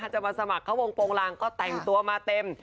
จะมาสมัครเข้าวงโปรงลางก็แต่งตัวมาเต็ม